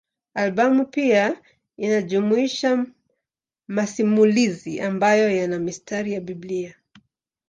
Albamu pia inajumuisha masimulizi ambayo yana mistari ya Biblia.